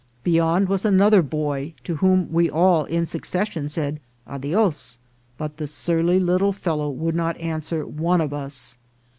Beyond was another boy, to whom we all in succession said " adios," but the surly little fellow would not answer one of us.